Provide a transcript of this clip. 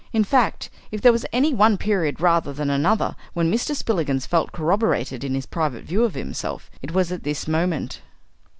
In fact, if there was any one period rather than another when Mr. Spillikins felt corroborated in his private view of himself, it was at this moment.